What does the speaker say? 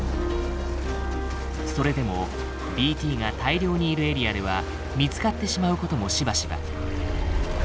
それでもＢＴが大量にいるエリアでは見つかってしまうこともしばしば。